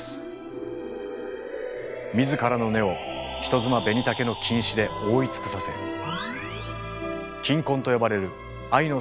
自らの根を人妻ベニタケの菌糸で覆い尽くさせ菌根と呼ばれる愛の巣を作り